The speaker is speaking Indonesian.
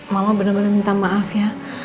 mama bener bener minta maaf ya